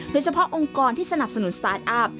โดยเฉพาะองค์กรที่สนับสนุนสตาร์ทอัพ